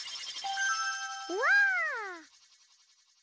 うわ！